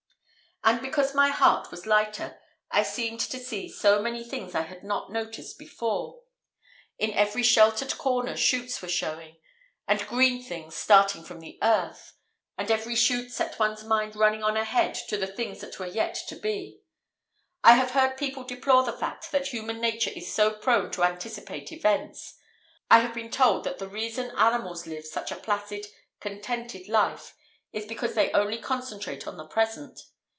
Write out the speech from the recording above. And because my heart was lighter, I seemed to see so many things I had not noticed before. In every sheltered corner shoots were showing, and green things starting from the earth—and every shoot set one's mind running on ahead to the things that were yet to be. I have heard people deplore the fact that human nature is so prone to anticipate events; I have been told that the reason animals live such a placid, contented life, is because they only concentrate on the present.